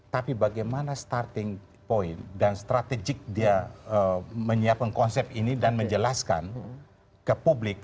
tapi bagaimana starting point dan strategik dia menyiapkan konsep ini dan menjelaskan ke publik